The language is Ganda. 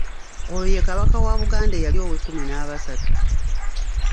Oyo ye Kabaka wa Buganda eyali ow'ekkumi n’abasatu.